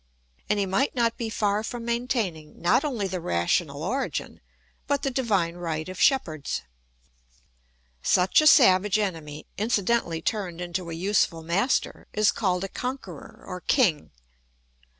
And he might not be far from maintaining not only the rational origin, but the divine right of shepherds. Such a savage enemy, incidentally turned into a useful master, is called a conqueror or king.